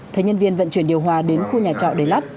thấy nhân viên vận chuyển điều hòa đến khu nhà trọ để lắp